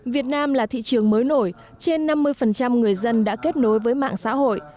việt nam là thị trường mới nổi trên năm mươi người dân đã kết nối với mạng xã hội